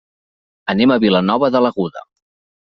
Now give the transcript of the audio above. Anem a Vilanova de l'Aguda.